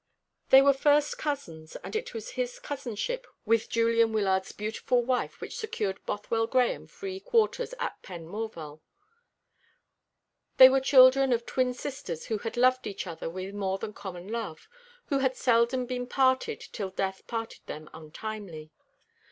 They were first cousins, and it was his cousinship with Julian Wyllard's beautiful wife which secured Bothwell Grahame free quarters at Penmorval. They were children of twin sisters who had loved each other with more than common love, who had seldom been parted till death parted them untimely.